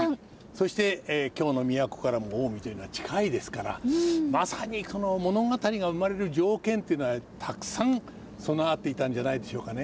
そして京の都からも近江というのは近いですからまさにこの物語が生まれる条件というのはたくさん備わっていたんじゃないでしょうかね。